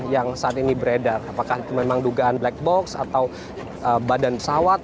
yang saat ini beredar apakah itu memang dugaan black box atau badan pesawat